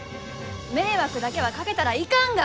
迷惑だけはかけたらいかんが！